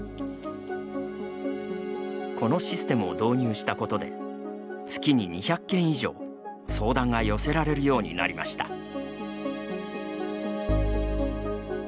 このシステムを導入したことで月に２００件以上、相談が寄せられるようになりました。